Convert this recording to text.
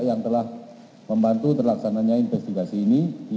yang telah membantu terima kasih